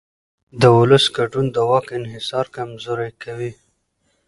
د ولس ګډون د واک انحصار کمزوری کوي